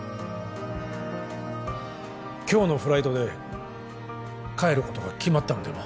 今日のフライトで帰ることが決まったのでは？